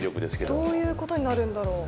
どういうことになるんだろう。